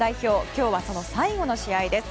今日は、その最後の試合です。